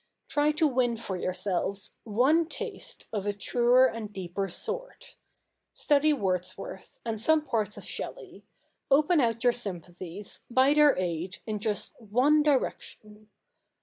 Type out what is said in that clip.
Try to win for yourselves one taste of a truer and deeper sort. Study Wordsworth, and some parts of Shelley ; open out your sympathies, by their aid, in just one CH. ii] THE NEW REPUBLIC 147 direction.